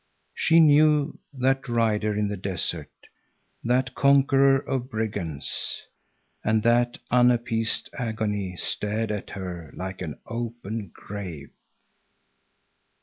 She knew that rider in the desert, that conqueror of brigands. And that unappeased agony stared at her like an open grave.